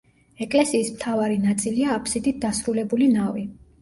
ეკლესიის მთავარი ნაწილია აფსიდით დასრულებული ნავი.